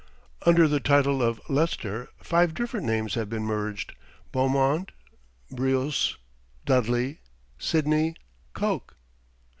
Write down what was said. Under the title of Leicester five different names have been merged Beaumont, Breose, Dudley, Sydney, Coke.